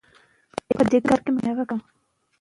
هغه د اصفهان د خلکو لپاره د امن اعلان وکړ.